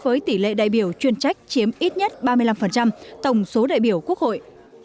với tỷ lệ đại biểu chuyên trách chiếm ít nhất ba mươi năm tổng số đại biểu quốc hội